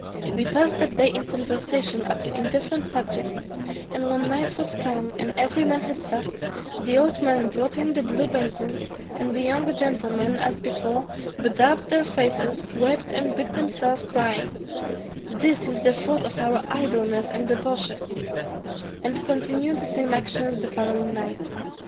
We passed that day in conversation upon indifferent subjects; and when night was come and every man had supped, the old man brought in the blue basins, and the young gentlemen as before bedaubed their faces, wept and beat themselves, crying, "This is the fruit of our idleness and debauches," and continued the same actions the following night.